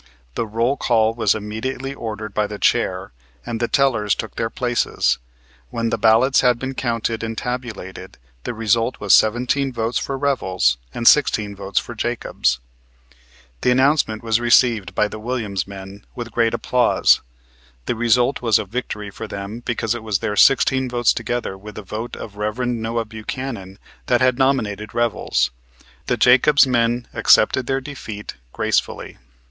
The roll call was immediately ordered by the chair and the tellers took their places. When the ballots had been counted and tabulated, the result was seventeen votes for Revels and sixteen votes for Jacobs. The announcement was received by the Williams men with great applause. The result was a victory for them because it was their sixteen votes together with the vote of Rev. Noah Buchanan that had nominated Revels. The Jacobs men accepted their defeat gracefully.